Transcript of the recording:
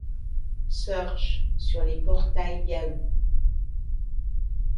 Search sur les portails Yahoo!.